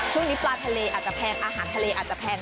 ช่วงนี้ปลาทะเลอาจจะแพงอาหารทะเลอาจจะแพง